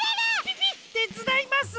てつだいます！